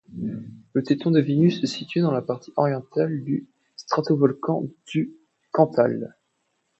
Le téton de Vénus se situe dans la partie orientale du stratovolcan du Cantal.